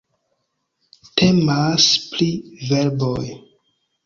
Temas pri verboj.